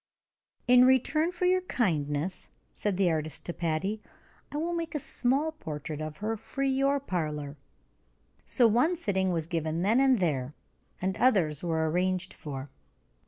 "In return for your kindness," said the artist to Patty, "I will make a small portrait of her for your parlor." So one sitting was given then and there, and others were arranged for.